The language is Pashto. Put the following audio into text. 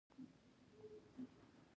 وچ لرګی د سوځولو لپاره تر ټولو ښه ګڼل کېږي.